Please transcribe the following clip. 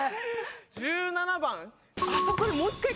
１７番あ